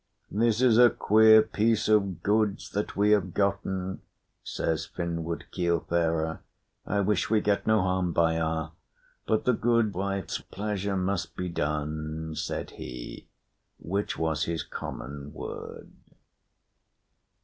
"This is a queer piece of goods that we have gotten," says Finnward Keelfarer, "I wish we get no harm by her! But the good wife's pleasure must be done," said he, which was his common word.